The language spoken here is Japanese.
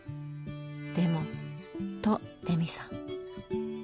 でもとレミさん。